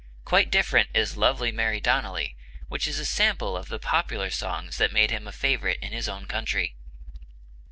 Quite different is 'Lovely Mary Donnelly,' which is a sample of the popular songs that made him a favorite in his own country.